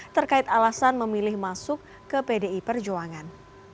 terkait alasan memilih masuk ke pdi perjuangan